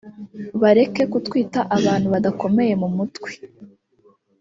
bareke kutwita abantu badakomeye mu mutwe